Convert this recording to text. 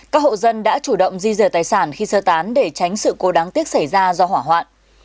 các hộ dân đã chủ động di rời tài sản khi sơ tán để tránh sự cố đáng tiếc xảy ra do hỏa hoạn